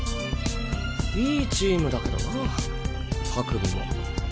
いいチームだけどな白尾も。